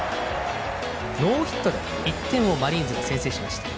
ノーヒットで１点をマリーンズが先制しました。